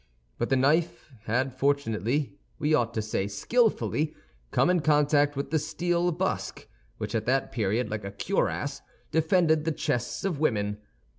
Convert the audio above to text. But the knife had fortunately, we ought to say skillfully, come in contact with the steel busk, which at that period, like a cuirass, defended the chests of women.